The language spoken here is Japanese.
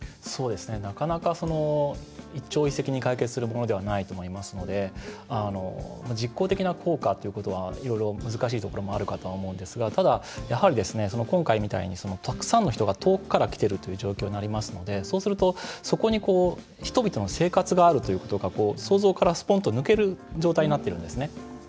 なかなか、一朝一夕に解決するものではないと思いますので実効的な効果ということはいろいろ難しいこともあるかと思うんですがただ今回みたいにたくさんの人が遠くから来ているっていう状況になりますのでそうすると、そこに人々の生活があるということが想像から、すぽんと抜ける状態になっているんですね。